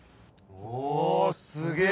おすげぇ。